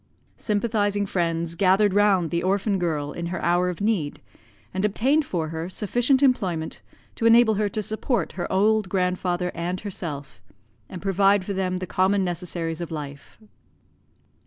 Sympathizing friends gathered round the orphan girl in her hour of need, and obtained for her sufficient employment to enable her to support her old grandfather and herself, and provide for them the common necessaries of life.